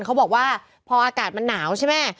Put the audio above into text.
เขาบอกว่าพออากาศมันหนาวใช่ไหม